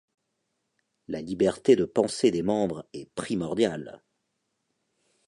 La liberté de pensée des membres est primordiale.